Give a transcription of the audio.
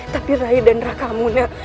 tapi rai dan raka amunah